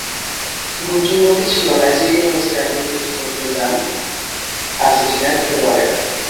গুঞ্জন রটেছিল, নাইজেরিয়া ম্যাচের আগেই কোচ বদল চান আর্জেন্টিনার খেলোয়াড়েরা।